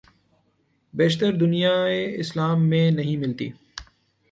بیشتر دنیائے اسلام میں نہیں ملتی۔